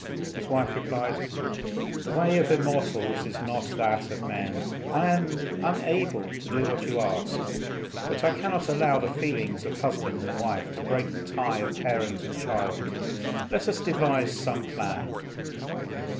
His wife replied, "The way of immortals is not that of men. I am unable to do what you ask, but I cannot allow the feelings of husband and wife to break the tie of parent and child. Let us devise some plan."